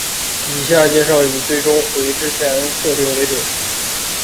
以下介绍以最终回之前的设定为准。